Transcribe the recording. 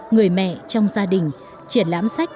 người mẹ trong gia đình